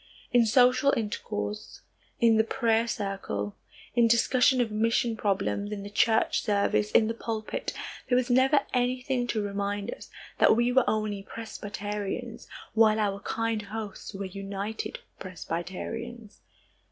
In social intercourse, in the prayer circle, in discussion of mission problems, in the church service, in the pulpit, there was never anything to remind us that we were only Presbyterians while our kind hosts were United Presbyterians.